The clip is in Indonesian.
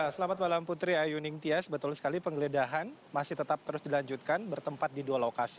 selamat malam putri ayu ningtyas betul sekali penggeledahan masih tetap terus dilanjutkan bertempat di dua lokasi